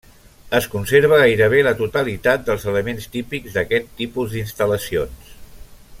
Es conserva gairebé la totalitat dels elements típics d'aquest tipus d'instal·lacions.